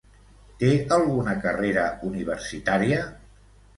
Té alguna carrera universitària?